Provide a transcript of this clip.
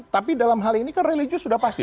tapi dalam hal ini kan religius sudah pasti